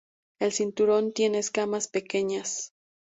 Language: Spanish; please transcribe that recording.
El cinturón tiene escamas pequeñas.